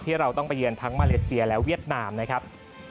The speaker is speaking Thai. เราต้องไปเยือนทั้งมาเลเซียและเวียดนามนะครับ